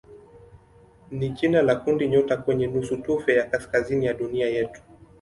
ni jina la kundinyota kwenye nusutufe ya kaskazini ya dunia yetu.